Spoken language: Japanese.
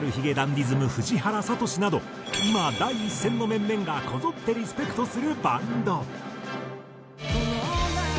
ｄｉｓｍ藤原聡など今第一線の面々がこぞってリスペクトするバンド。